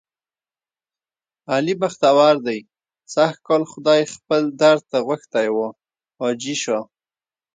علي بختور دی سږ کال خدای خپل درته غوښتلی و. حاجي شو،